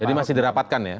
jadi masih dirapatkan ya